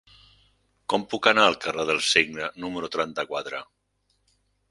Com puc anar al carrer del Cigne número trenta-quatre?